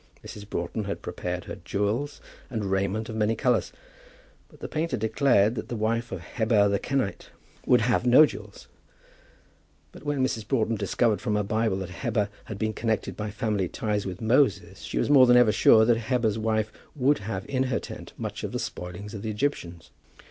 Mrs. Broughton had prepared her jewels and raiment of many colours, but the painter declared that the wife of Heber the Kenite would have no jewels. But when Mrs. Broughton discovered from her Bible that Heber had been connected by family ties with Moses, she was more than ever sure that Heber's wife would have in her tent much of the spoilings of the Egyptians.